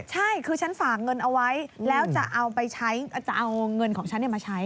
ใช่คือฉันฝากเงินเอาไว้แล้วจะเอาไปใช้จะเอาเงินของฉันมาใช้